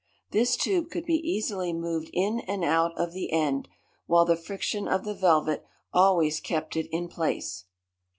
This tube could be easily moved in and out of the end, while the friction of the velvet always kept it in place.